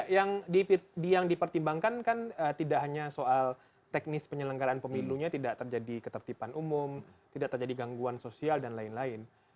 yang dipertimbangkan kan tidak hanya soal teknis penyelenggaraan pemilunya tidak terjadi ketertiban umum tidak terjadi gangguan sosial dan lain lain